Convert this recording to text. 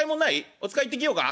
お使い行ってきようか？」。